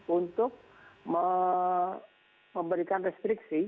untuk memberikan restriksi